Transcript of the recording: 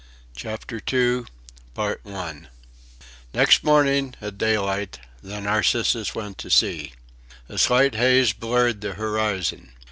CHAPTER TWO Next morning, at daylight, the Narcissus went to sea. A slight haze blurred the horizon.